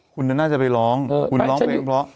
คุณน่าจะไปร้องเพลงเพราะ